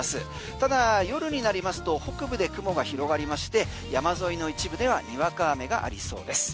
ただ、夜になりますと北部で雲が広がりまして山沿いの一部ではにわか雨がありそうです。